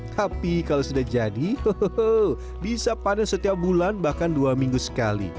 tapi kalau sudah jadi bisa panen setiap bulan bahkan dua minggu sekali